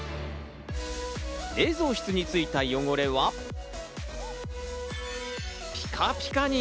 冷蔵室についた汚れは、ピカピカに。